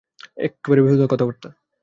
এক্কেবারে বেহুদা কথাবার্তা।